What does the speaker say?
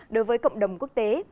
đối với cộng đồng quốc tế